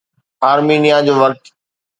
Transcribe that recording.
آرمينيا جو وقت